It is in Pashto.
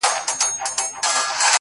هغوو ته ځکه تر لیلامه پوري پاته نه سوم.